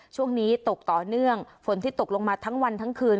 ช่วงนี้ตกต่อเนื่องฝนที่ตกลงมาทั้งวันทั้งคืน